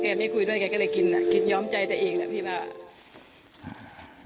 แกไม่คุยด้วยแกก็เลยกินย้อมใจแต่เองนะพี่บ้า